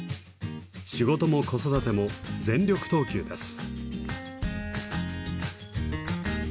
仕事も子育ても全力投球です。